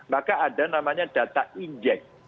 maka ada namanya data injek